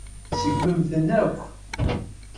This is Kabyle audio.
Tseggmemt-ten akk.